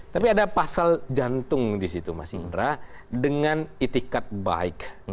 tapi ada pasal jantung di situ mas indra dengan itikat baik